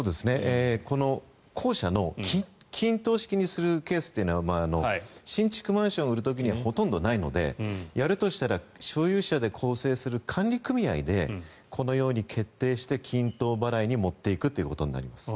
後者の均等式にするケースというのは新築マンションを売る時にはほとんどないのでやるとしたら所有者で構成する管理組合でこのように決定して均等払いに持っていくということになります。